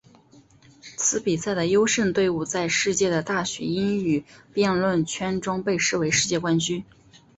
此比赛的优胜队伍在世界的大学英语辩论圈中被视作世界冠军。